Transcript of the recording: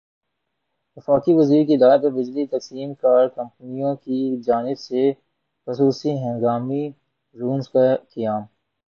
وفاقی وزیر کی ہدایت پر بجلی تقسیم کار کمپنیوں کی جانب سےخصوصی ہنگامی رومز کا قیام